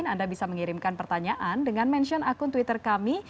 anda bisa mengirimkan pertanyaan dengan mention akun twitter kami